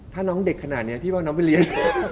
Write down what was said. ถ้าน้องเด็กขนาดนี้พี่ว่าน้องไปเรียน